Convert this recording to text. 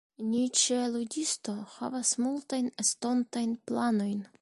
Ni ĉe Ludisto havas multajn estontajn planojn.